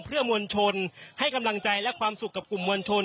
เพื่อมวลชนให้กำลังใจและความสุขกับกลุ่มมวลชน